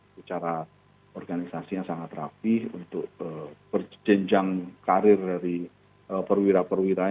secara organisasi yang sangat rapih untuk berjenjang karir dari perwira perwira